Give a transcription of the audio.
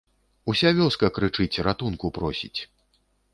Уся вёска крычыць, ратунку просіць.